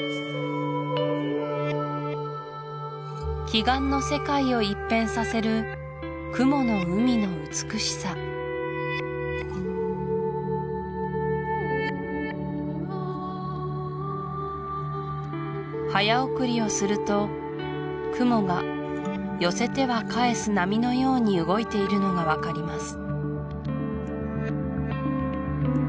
奇岩の世界を一変させる雲の海の美しさ早送りをすると雲が寄せては返す波のように動いているのが分かります